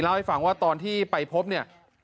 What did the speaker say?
เล่าให้ฟังว่าตอนที่ไปพบเนี่ย